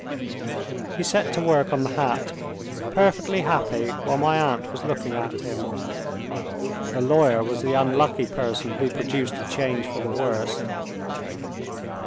He set to work on the hat; perfectly happy while my aunt was looking at him. The lawyer was the unlucky person who produced a change for the worse.